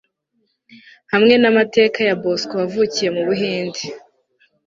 hamwe n'amateka ya boskowavukiye mu buhinde